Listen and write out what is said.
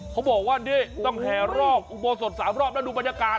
เขาบอกว่าเน่ต้องแครองอุโบสถสามรอบนะดูมันยากาศ